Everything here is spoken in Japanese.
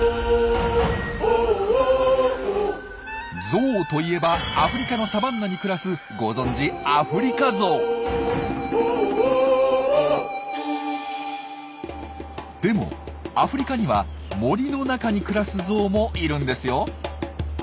ゾウといえばアフリカのサバンナに暮らすご存じでもアフリカには森の中に暮らすゾウもいるんですよ。